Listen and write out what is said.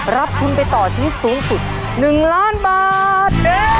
รับทุนไปต่อชีวิตสูงสุด๑ล้านบาท